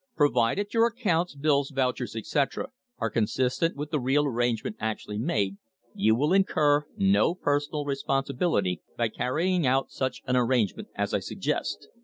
"Provided your accounts, bills, vouchers, etc., are consistent with the real arrangement actually made, you will incur no personal re sponsibility by carrying out such an arrangement as I sug gest."